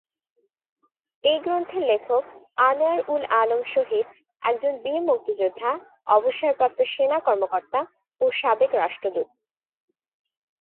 এই গ্রন্থের লেখক আনোয়ার উল আলম শহীদ একজন বীর মুক্তিযোদ্ধা, অবসরপ্রাপ্ত সেনা কর্মকর্তা ও সাবেক রাষ্ট্রদূত।